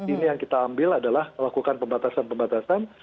ini yang kita ambil adalah melakukan pembatasan pembatasan